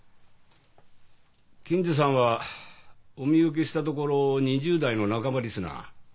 検事さんはお見受けしたところ２０代の半ばですな？